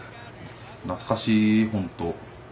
懐かしい本当。